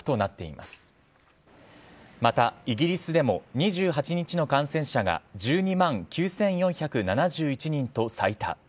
また、イギリスでも２８日の感染者が１２万９４７１人と最多。